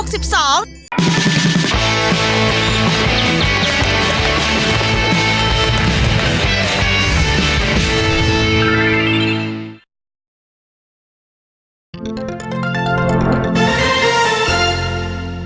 สวัสดีครับ